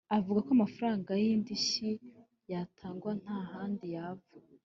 Avuga ko amafaranga y’indishyi yatangwa ‘nta handi yava